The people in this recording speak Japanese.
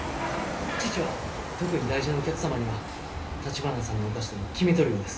父は特に大事なお客様にはたちばなさんのお菓子と決めとるようです。